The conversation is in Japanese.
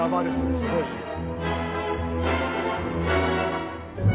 すごいいいです。